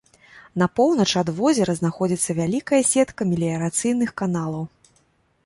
На поўнач ад возера знаходзіцца вялікая сетка меліярацыйных каналаў.